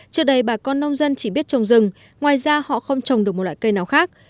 trước đây bà con nông dân chỉ biết trồng rừng ngoài ra họ không trồng được một loại cây nào khác